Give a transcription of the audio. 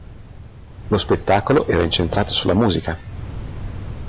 Lo spettacolo era incentrato sulla musica.